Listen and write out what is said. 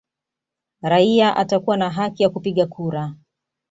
Raia atakuwa na haki ya kupiga kura